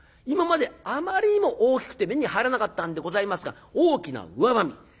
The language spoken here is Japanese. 今まであまりにも大きくて目に入らなかったんでございますが大きなうわばみ。